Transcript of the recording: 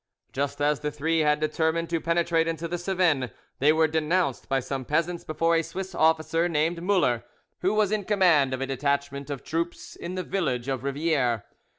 Just as the three had determined to penetrate into the Cevennes, they were denounced by some peasants before a Swiss officer named Muller, who was in command of a detachment of troops in the village of Riviere.